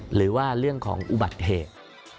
หรือว่าเรื่องของอุบัติเหตุ